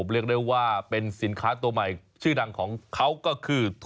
เรียกได้ว่าเป็นสินค้าตัวใหม่ชื่อดังของเขาก็คือ